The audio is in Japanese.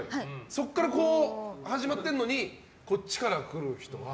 そこから始まってるのにこっちから来る人は。